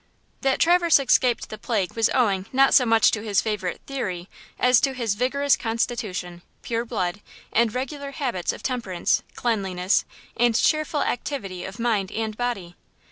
That Traverse escaped the plague was owing not so much to his favorite "theory" as to his vigorous constitution, pure blood, and regular habits of temperance, cleanliness and cheerful activity of mind and body.